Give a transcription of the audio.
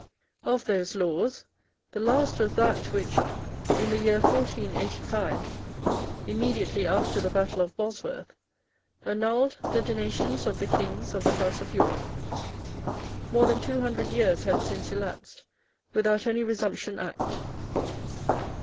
Of those laws the last was that which, in the year 1485, immediately after the battle of Bosworth, annulled the donations of the kings of the House of York. More than two hundred years had since elapsed without any Resumption Act.